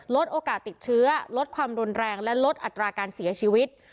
ลดโอกาสติดเชื้อลดความรุนแรงและลดอัตราการเสียชีวิต